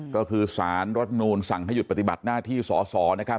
ก็คือสารรัฐนูลสั่งให้หยุดปฏิบัติหน้าที่สอสอนะครับ